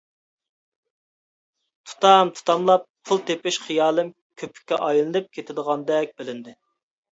تۇتام-تۇتاملاپ پۇل تېپىش خىيالىم كۆپۈككە ئايلىنىپ كېتىدىغاندەك بىلىندى.